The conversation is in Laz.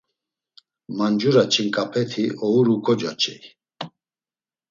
Mancura ç̌inǩapeti ouru kocoç̌ey.